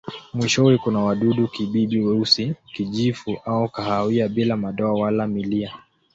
Mwishowe kuna wadudu-kibibi weusi, kijivu au kahawia bila madoa wala milia.